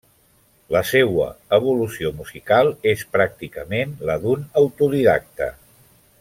La seua evolució musical és pràcticament la d'un autodidacte.